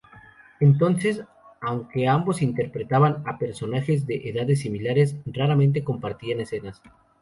Entonces, aunque ambos interpretaban a personajes de edades similares, raramente compartían escenas.